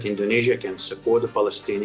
indonesia dapat mendukung orang orang palestina